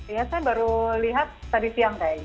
iya saya baru lihat tadi siang